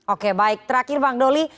oke baik terakhir bang doli